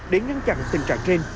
để ngăn chặn tình trạng trên